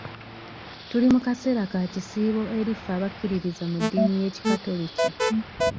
Tuli mu kaseera ka kisiibo eri ffe abakkiririza mu ddiini y'ekikatoliki.